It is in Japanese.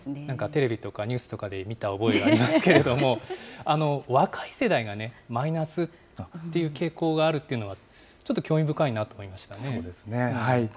テレビとかニュースとかで見た覚えがありますけれども、若い世代がマイナスっていう傾向があるっていうのは、ちょっと興味深そうですね。